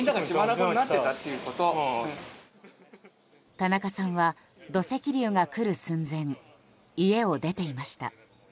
田中さんは、土石流がくる寸前家を出ていました。